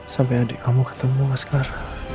sampai adik kamu ketemu masker